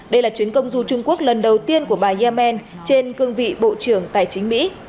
đây là chuyến công du trung quốc lần đầu tiên của bà yemen trên cương vị bộ trưởng tài chính mỹ